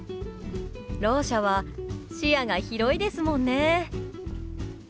ろう者は視野が広いですもんね。